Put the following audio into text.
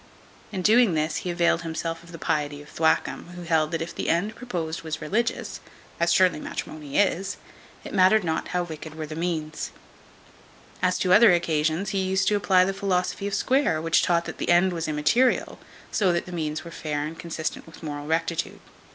In doing this he availed himself of the piety of Thwackum, who held, that if the end proposed was religious (as surely matrimony is), it mattered not how wicked were the means. As to other occasions, he used to apply the philosophy of Square, which taught, that the end was immaterial, so that the means were fair and consistent with moral rectitude.